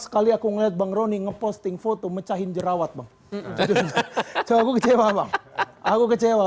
sekali aku ngeliat bang roni ngeposting foto mecahin jerawat bang coba kecewa bang aku kecewa